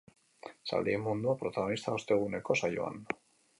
Zaldien mundua protagonista osteguneko saioan.